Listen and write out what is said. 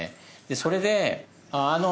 それであの。